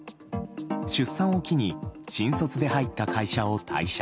出産を機に新卒で入った会社を退社。